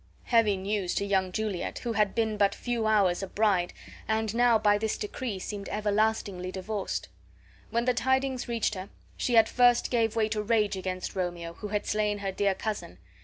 Heavy news to young Juliet, who had been but a few hours a bride and now by this decree seemed everlastingly divorced! When the tidings reached her, she at first gave way to rage against Romeo, who had slain her dear cousin.